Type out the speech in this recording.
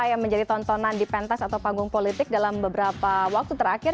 yang menjadi tontonan di pentas atau panggung politik dalam beberapa waktu terakhir